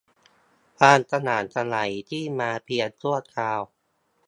ความสว่างไสวที่มาเพียงชั่วคราว